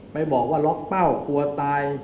ไปบอกว่าล็อกเป้ากลัวตาย